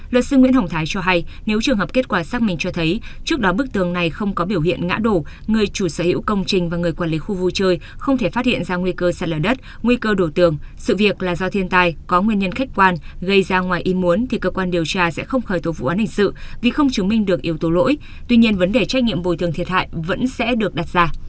luật sư nguyễn hồng thái cho hay nếu trường hợp kết quả xác minh cho thấy trước đó bức tường này không có biểu hiện ngã đổ người chủ sở hữu công trình và người quản lý khu vui chơi không thể phát hiện ra nguy cơ sát lở đất nguy cơ đổ tường sự việc là do thiên tai có nguyên nhân khách quan gây ra ngoài im muốn thì cơ quan điều tra sẽ không khởi tố vụ án hình sự vì không chứng minh được yếu tố lỗi tuy nhiên vấn đề trách nhiệm bồi thường thiệt hại vẫn sẽ được đặt ra